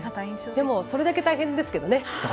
でもそれだけ大変ですけどね。